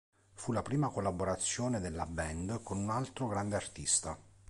Fu la prima collaborazione della band con un altro grande artista.